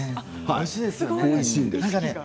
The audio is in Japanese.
おいしいですよね。